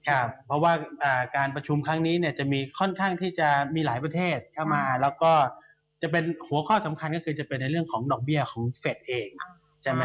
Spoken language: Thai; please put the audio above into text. เพราะว่าการประชุมครั้งนี้เนี่ยจะมีค่อนข้างที่จะมีหลายประเทศเข้ามาแล้วก็จะเป็นหัวข้อสำคัญก็คือจะเป็นในเรื่องของดอกเบี้ยของเฟสเองใช่ไหม